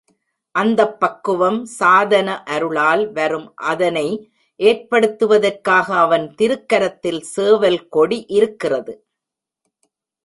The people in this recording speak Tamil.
அந்தப் பக்குவம் சாதன அருளால் வரும் அதனை ஏற்படுத்துவதற்காக அவன் திருக்கரத்தில் சேவல் கொடி இருக்கிறது.